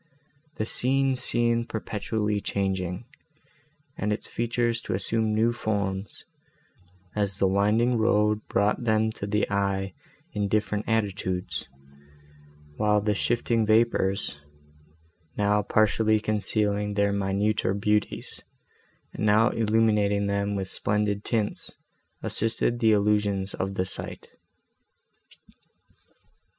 The scene seemed perpetually changing, and its features to assume new forms, as the winding road brought them to the eye in different attitudes; while the shifting vapours, now partially concealing their minuter beauties and now illuminating them with splendid tints, assisted the illusions of the sight.